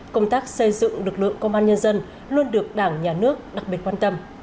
công tác xây dựng lực lượng công an nhân dân luôn được đảng nhà nước đặc biệt quan tâm